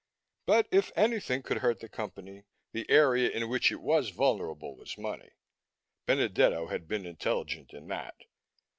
But, if anything could hurt the Company, the area in which it was vulnerable was money. Benedetto had been intelligent in that.